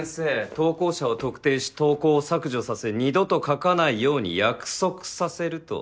投稿者を特定し投稿を削除させ二度と書かないように約束させると。